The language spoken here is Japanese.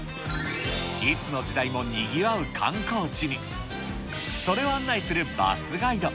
いつの時代もにぎわう観光地に、それを案内するバスガイド。